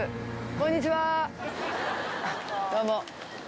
こんにちは。